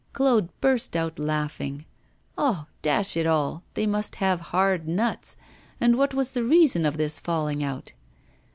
Claude burst out laughing. Ah! dash it all! they must have hard nuts. But what was the reason of this falling out?